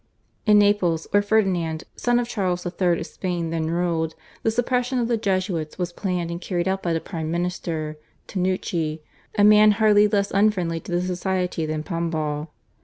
In Naples, where Ferdinand, son of Charles III. of Spain then ruled, the suppression of the Jesuits was planned and carried out by the prime minister, Tanucci, a man hardly less unfriendly to the Society than Pombal.